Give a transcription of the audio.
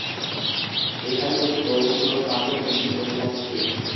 এখানে কিছু বয়স্ক লোক পার্কের বেঞ্চে বসে আছে।